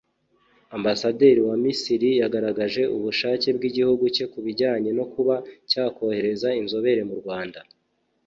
Ambasaderi wa Misiri yagaragaje ubushake bw’igihugu cye ku bijyanye no kuba cyakohereza inzobere mu Rwanda